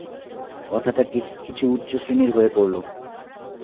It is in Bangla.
কথাটা কিছু উচ্চশ্রেণীর হয়ে পড়ল।